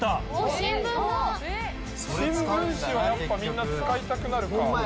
新聞紙はやっぱみんな使いたくなるか。